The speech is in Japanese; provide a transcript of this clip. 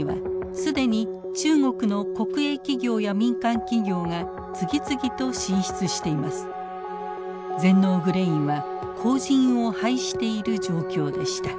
全農グレインは後じんを拝している状況でした。